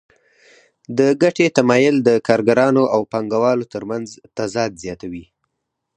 د ګټې تمایل د کارګرانو او پانګوالو ترمنځ تضاد زیاتوي